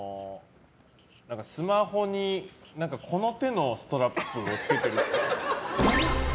スマホに、この手のストラップをつけてるっぽい。